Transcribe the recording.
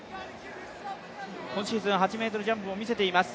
今シーズン８ｍジャンプも見せています。